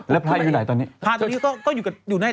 แล้วพระอยู่ไหนตัวนี้